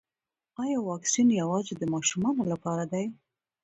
ایا واکسین یوازې د ماشومانو لپاره دی